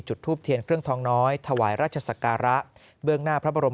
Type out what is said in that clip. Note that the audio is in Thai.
ทูบเทียนเครื่องทองน้อยถวายราชศักระเบื้องหน้าพระบรม